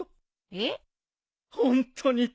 えっ